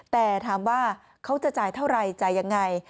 แต่ถามว่าเขาจะจ่ายเท่าไหร่จ่ายยังไง